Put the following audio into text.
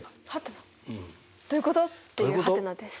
「？」どういうことっていう「？」です。